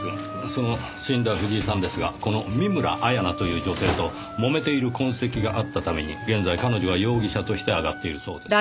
その死んだ藤井さんですがこの見村彩那という女性ともめている痕跡があったために現在彼女は容疑者として挙がっているそうですよ。